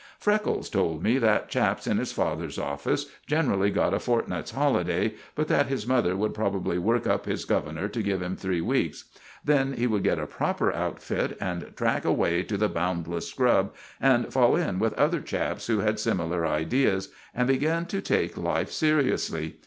Freckles told me that chaps in his father's office generally got a fortnight's holiday, but that his mother would probably work up his governor to give him three weeks. Then he would get a proper outfit and track away to the boundless scrub, and fall in with other chaps who had similar ideas, and begin to take life seriously.